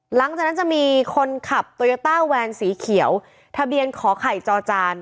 หลังจากนั้นจะมีคนขับโตโยต้าแวนสีเขียวทะเบียนขอไข่จอจาน